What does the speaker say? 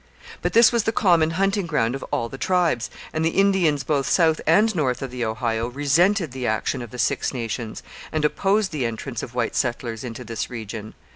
But this was the common hunting ground of all the tribes, and the Indians both south and north of the Ohio resented the action of the Six Nations and opposed the entrance of white settlers into this region.